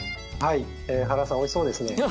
はい原さんおいしそうですね。